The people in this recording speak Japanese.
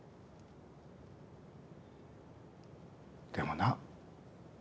でもな。